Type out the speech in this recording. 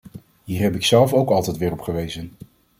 Hier heb ik zelf ook altijd weer op gewezen.